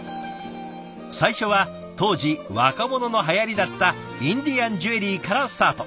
最初は当時若者のはやりだったインディアンジュエリーからスタート。